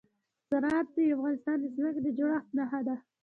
زراعت د افغانستان د ځمکې د جوړښت نښه ده.